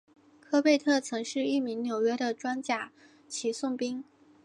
科贝特曾是一名纽约的装甲骑送兵。